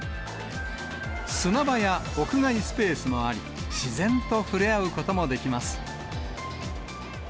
砂場や屋外スペースもあり、自然とふれ合うこともできます。